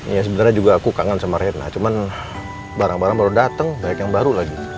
ya sebenarnya juga aku kangen sama retna cuman barang barang baru datang banyak yang baru lagi